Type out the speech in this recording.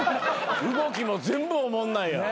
動きも全部おもんないやん。